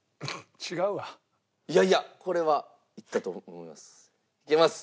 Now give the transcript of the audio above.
いやいやこれはいったと思います。